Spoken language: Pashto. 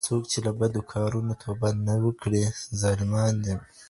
څوک چي له بدو کارونو توبه ونه کړي ظالمان دي.